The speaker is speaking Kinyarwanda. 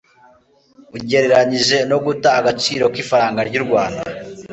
ugereranyije no guta agaciro k'ifaranga ry'u Rwanda